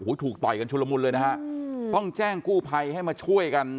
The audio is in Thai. โอ้โหถูกต่อยกันชุดละมุนเลยนะฮะอืมต้องแจ้งกู้ไพให้มาช่วยกัน